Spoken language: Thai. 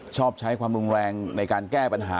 ชอบใช้ความรุนแรงในการแก้ปัญหา